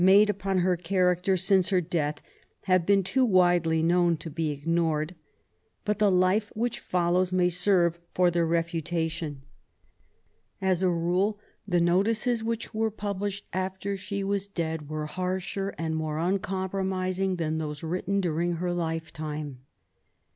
made upon her character since her death have been too widely known to be ignored^ but the Life which follows may serye for their refutation. As a rule, the notices which were published after she was dead were harsher and more uncompromising than those written during her lifetime.